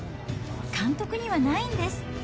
監督にはないんです。